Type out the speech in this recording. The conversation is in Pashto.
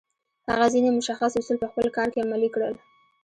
هغه ځينې مشخص اصول په خپل کار کې عملي کړل.